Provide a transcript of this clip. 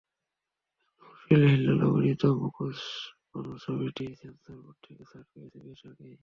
নওশীন-হিল্লোল অভিনীত মুখোশ মানুষ ছবিটি সেন্সর বোর্ড থেকে ছাড় পেয়েছে বেশ আগেই।